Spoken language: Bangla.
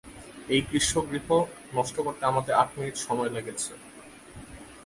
এই গ্রীষ্মগৃহ নষ্ট করতে আমাদের আট মিনিট সময় লেগেছে।